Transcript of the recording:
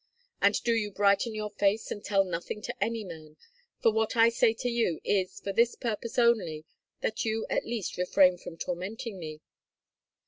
And do you brighten your face and tell nothing to any man, for what I say to you is for this purpose only, that you at least refrain from tormenting me.